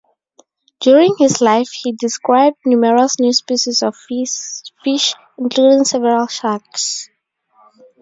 During his life, he described numerous new species of fish, including several sharks.